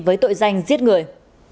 với tội danh giết người